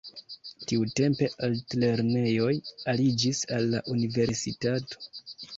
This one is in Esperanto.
Tiutempe altlernejoj aliĝis al la universitato.